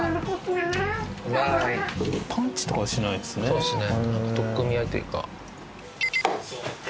そうですね。